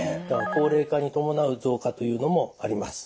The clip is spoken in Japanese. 高齢化に伴う増加というのもあります。